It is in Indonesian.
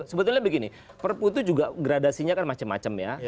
sebetulnya begini perpu itu juga gradasinya kan macam macam ya